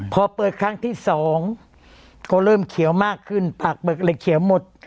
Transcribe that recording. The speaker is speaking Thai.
พอเปิดครั้งที่สองก็เริ่มเขียวมากขึ้นผักเบิกเลยเขียวหมด